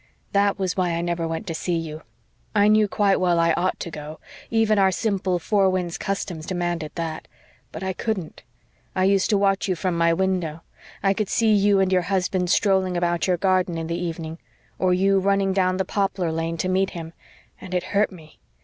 That was why I never went to see you. I knew quite well I ought to go even our simple Four Winds customs demanded that. But I couldn't. I used to watch you from my window I could see you and your husband strolling about your garden in the evening or you running down the poplar lane to meet him. And it hurt me.